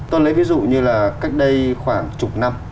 tôi lấy ví dụ như là cách đây khoảng chục năm